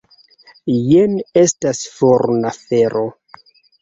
Jen estas forna fero!